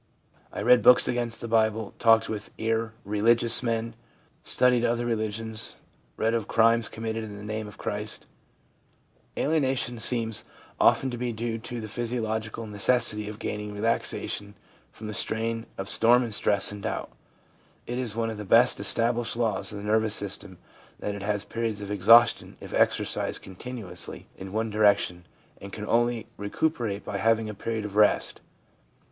I read books against the Bible, talked with irreligious men, studied other religions, read of crimes committed in the name of Christ' Alienation seems often to be due to the physio logical necessity of gaining relaxation from the strain of storm and stress and doubt. It is one of the best established Jaws of the nervous system that it has periods of exhaustion if exercised continuously in one direction, and can only recuperate by having a period of rest.